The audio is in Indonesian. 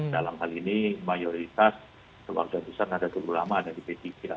dalam hal ini mayoritas keluarga besar nahdlatul ulama ada di p tiga